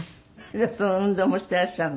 じゃあその運動もしていらっしゃるの？